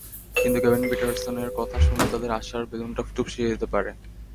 কিন্তু কেভিন পিটারসেনের কথা শুনলে তাদের আশার বেলুনটা চুপসে যেতে পারে।